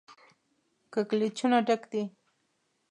کږلېچونو ډک دی.